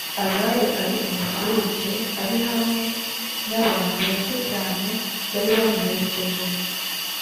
aba yo ari umusuhuke, ari hamwe n’abantu bake cyane bari bamuherekeje.